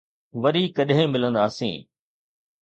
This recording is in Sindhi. وري ڪڏھن ملنداسين.